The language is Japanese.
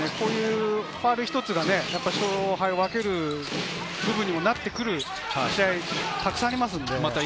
こういうファウル１つが勝敗を分けるふうにもなってくる試合がたくさんありますので。